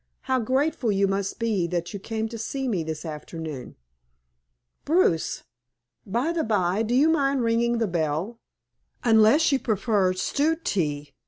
"How grateful you must be that you came to see me this afternoon, Bruce! By the by, do you mind ringing the bell unless you prefer stewed tea?"